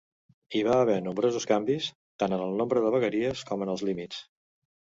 Hi va haver nombrosos canvis, tant en el nombre de vegueries com en els límits.